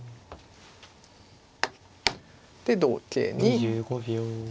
で同桂に。